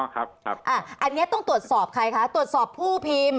อ๋อครับครับอ่าอันเนี้ยต้องตรวจสอบใครคะตรวจสอบผู้พิมพ์